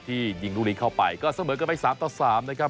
ที่ยิงลูกลิ้งเข้าไปก็เสมอกันไป๓๓นะครับ